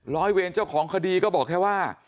ร้อยเวรเจ้าของคดีก็บอกแค่ว่า